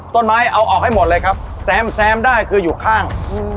ต้นไม้เอาออกให้หมดเลยครับแซมได้คืออยู่ข้าง